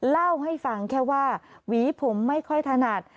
เล่าให้ฟังแค่ว่าหวีผมไม่ค่อยถนัด